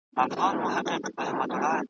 اوږده غاړه یې ښایسته بې لونګینه ,